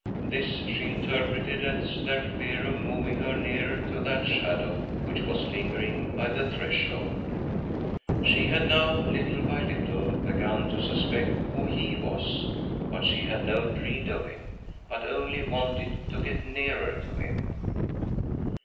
' This she interpreted as their fear of moving ■her nearer to that shadow which was lingering by j, the threshold. She had now, little by little, begun to suspect who he was, but she had no dread of him, but only wanted to get nearer to him.